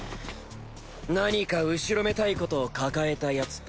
何か後ろめたいことを抱えた奴と。